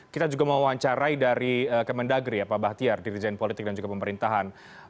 kita juga mewawancarai dari kemendagri ya pak bahtiar dirjen politik dan juga pemerintahan